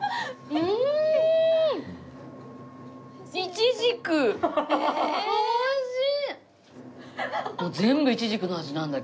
うわおいしい。